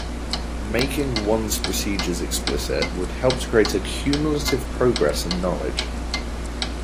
Making one's procedures explicit would help to create a "cumulative progress in knowledge".